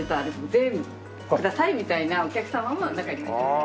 「全部ください」みたいなお客様も中にはいらっしゃいます。